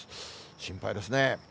心配ですね。